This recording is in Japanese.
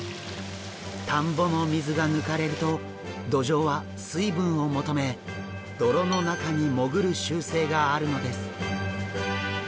田んぼの水が抜かれるとドジョウは水分を求め泥の中に潜る習性があるのです。